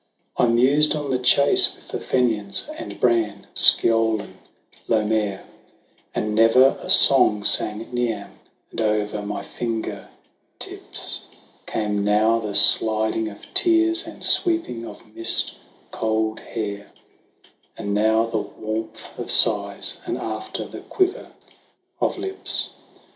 I mused on the chase with the Fenians, and Bran, Sgeolan, Lomair, And never a song sang Niamh, and over my finger tips Came now the sliding of tears and sweeping of mist cold hair, 121 122 THE WANDERINGS OF OISIN And now the warmth of sighs, and after the quiver of lips.